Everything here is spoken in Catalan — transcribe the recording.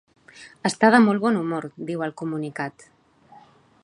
Està de molt bon humor, diu el comunicat.